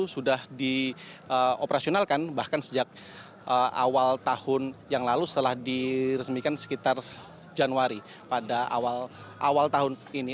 sudah dioperasionalkan bahkan sejak awal tahun yang lalu setelah diresmikan sekitar januari pada awal tahun ini